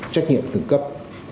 trách nhiệm từng cấp